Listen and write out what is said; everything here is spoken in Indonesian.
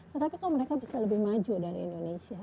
tetapi kok mereka bisa lebih maju dari indonesia